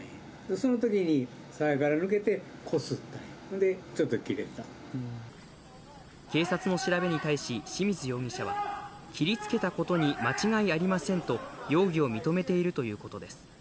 そのときにさやから抜けてこすっ警察の調べに対し、清水容疑者は、切りつけたことに間違いありませんと、容疑を認めているということです。